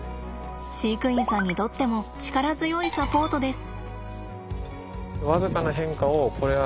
飼育員さんにとっても力強いサポートです。